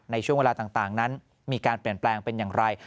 ในช่วงเวลาต่างนั้นมีการเปลี่ยนแปลงเป็นอย่างไร